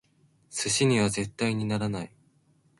寿司には絶対にならない！